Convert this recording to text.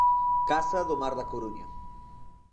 Casa do Mar da Coruña.